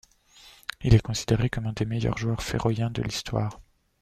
Il est considéré comme l'un des meilleurs joueurs féroïens de l'histoire.